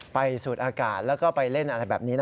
สูดอากาศแล้วก็ไปเล่นอะไรแบบนี้นะ